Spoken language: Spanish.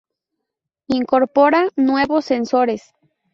Incorpora nuevos sensores.